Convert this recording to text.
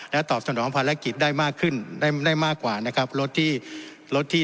และตอบสนองภารกิจได้มากขึ้นได้ได้มากกว่านะครับรถที่รถที่